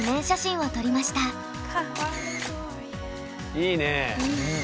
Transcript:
いいねぇ。